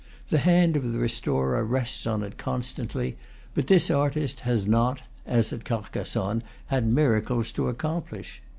The hand of the restorer rests on it constantly; but this artist has not, as at Carcassonne, had miracles to accomplish.